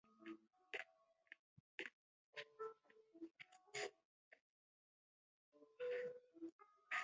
独自在台北赁屋而居的小文。